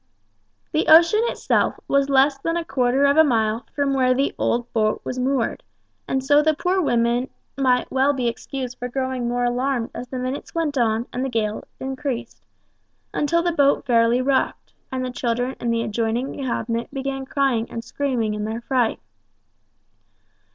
The ocean itself was less than a quarter of a mile from where the old boat was moored, and so the poor woman might well be excused for growing more alarmed as the minutes went on and the gale increased, until the boat fairly rocked, and the children in the adjoining cabin began crying and screaming in their fright.